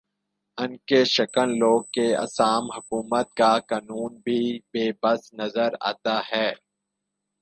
ان ق شکن لوگ کے سام حکومت کا قانون بھی بے بس نظر آتا ہے